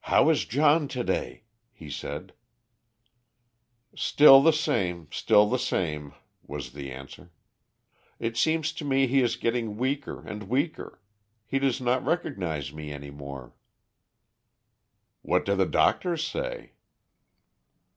"How is John to day?" he said. "Still the same, still the same," was the answer. "It seems to me he is getting weaker and weaker. He does not recognise me any more." "What do the doctors say?"